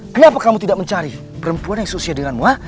kenapa kamu tidak mencari perempuan yang susah denganmu ha